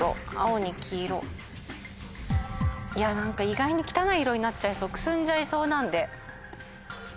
意外に汚い色になっちゃいそうくすんじゃいそうなんで。